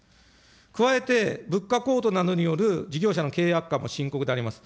加えて、物価高騰などによる事業者の経営悪化も深刻であります。